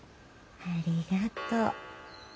ありがとう。